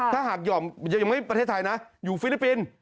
ถ้าหากห่อมยังไม่ประเทศไทยนะอยู่ฟิลิปปินส์